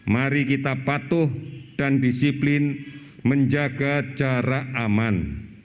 mari kita patuh dan disiplin menjaga jarak aman